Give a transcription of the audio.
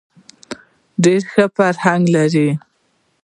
ډېر ښه فرهنګ لري.